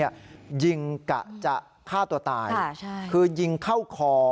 ยิงกะจะฆ่าตัวตายคือยิงเข้าคอ